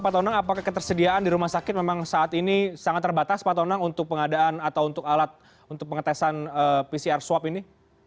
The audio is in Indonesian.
pak tonang apakah ketersediaan di rumah sakit memang saat ini sangat terbatas pak tonang untuk pengadaan atau untuk alat untuk pengetesan pcr swab ini